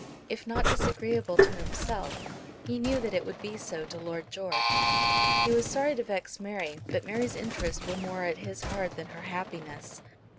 If not disagreeable to himself, he knew that it would be so to Lord George. He was sorry to vex Mary, but Mary's interests were more at his heart than her happiness.